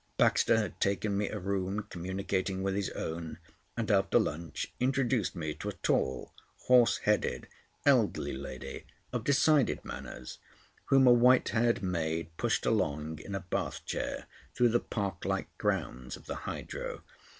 Baxter had taken me a room communicating with his own, and after lunch introduced me to a tall, horse headed elderly lady of decided manners, whom a white haired maid pushed along in a bath chair through the park like grounds of the Hydro.